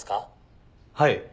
はい。